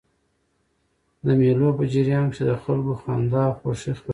د مېلو په جریان کښي د خلکو خندا او خوښي خپریږي.